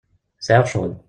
Sɛiɣ ccɣel.